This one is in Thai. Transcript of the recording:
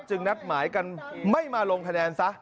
นัดหมายกันไม่มาลงคะแนนซะ